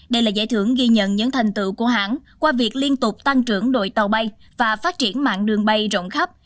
đây là giải thưởng ghi nhận những thành tựu của hãng qua việc liên tục tăng trưởng đội tàu bay và phát triển mạng đường bay rộng khắp